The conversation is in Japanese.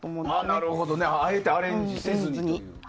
なるほどあえてアレンジをせずに。